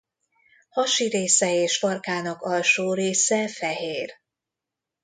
Hasi része és farkának alsó része fehér.